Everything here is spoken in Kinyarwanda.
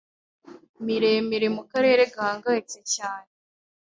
miremire mukarere gahangayitse cyane